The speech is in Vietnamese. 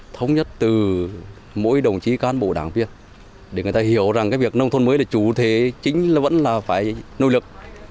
thống nhất từ mỗi đồng chí cán bộ đảng viên để người ta hiểu rằng cái việc nông thôn mới là chủ thể chính là vẫn là phải nỗ lực